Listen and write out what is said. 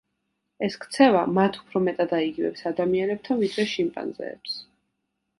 ეს ქცევა მათ უფრო მეტად აიგივებს ადამიანებთან ვიდრე შიმპანზეებს.